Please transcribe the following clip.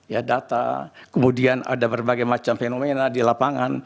ya data kemudian ada berbagai macam fenomena di lapangan